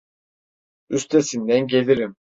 Üstesinden gelirim.